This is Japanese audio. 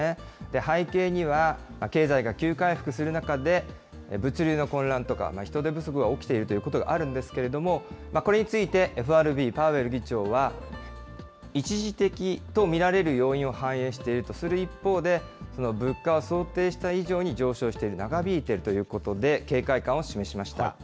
背景には、経済が急回復する中で、物流の混乱とか、人手不足が起きているということがあるんですけれども、これについてＦＲＢ、パウエル議長は、一時的と見られる要因を反映しているとしている一方で、物価は想定した以上に上昇している、長引いているということで、警戒感を示しました。